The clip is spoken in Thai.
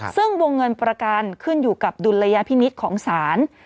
ซึ่งวงเงินประกันขึ้นอยู่กับดุลยพินิษฐ์ของศาล